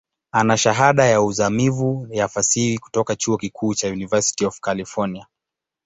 Ana Shahada ya uzamivu ya Fasihi kutoka chuo kikuu cha University of California.